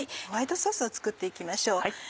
ホワイトソースを作って行きましょう。